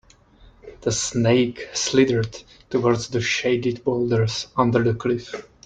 The snake slithered toward the shaded boulders under the cliff.